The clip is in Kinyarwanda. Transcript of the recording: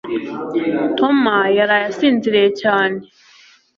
Toma yaraye asinziriye cyane